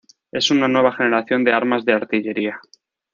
Es una nueva generación de armas de artillería.